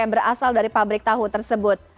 yang berasal dari pabrik tahu tersebut